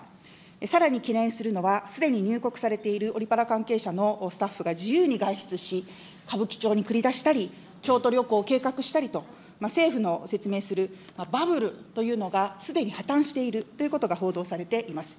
さらに懸念するのは、すでに入国されているオリパラ関係者のスタッフが自由に外出し、歌舞伎町に繰り出したり、京都旅行を計画したりと、政府の説明するバブルというのが、すでに破綻しているということが報道されています。